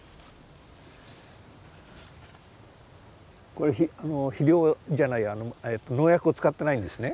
これ肥料じゃないや農薬を使ってないんですね？